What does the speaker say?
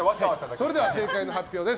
それでは正解の発表です。